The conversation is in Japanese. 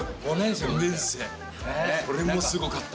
これもすごかった。